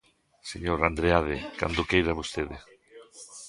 Señor Andreade, cando queira vostede.